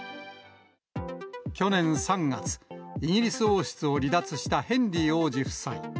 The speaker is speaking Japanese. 去年３月、イギリス王室を離脱したヘンリー王子夫妻。